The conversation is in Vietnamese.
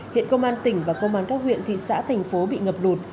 hiện công an tỉnh và công an các huyện thị xã thành phố bị ngập lụt